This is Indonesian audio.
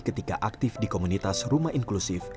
ketika aktif di komunitas rumah inklusif